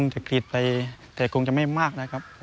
ก็ยังจะกรีดไปแต่คงจะไม่มากนะครับ